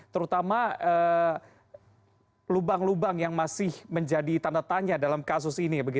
terutama lubang lubang yang masih menjadi tanda tanya dalam kasus ini